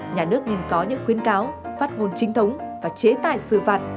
nhà nước nên có những khuyến cáo phát ngôn chính thống và chế tài sự vạt